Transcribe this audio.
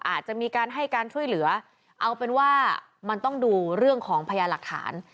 อาจจะมีการให้การช่วยเหลือเอาเป็นว่ามันต้องดูเรื่องของพญาหลักฐาน